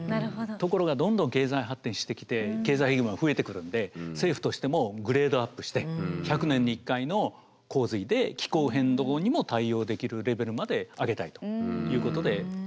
ところがどんどん経済発展してきて経済増えてくるんで政府としてもグレードアップして１００年に１回の洪水で気候変動にも対応できるレベルまで上げたいということで継続してます。